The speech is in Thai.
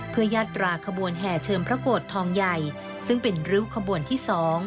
เพื่อยาตราขบวนแห่เชิมพระโกรธทองใหญ่ซึ่งเป็นริ้วขบวนที่๒